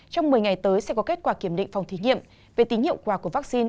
trong một mươi ngày tới sẽ có kết quả kiểm định phòng thí nghiệm về tính hiệu quả của vaccine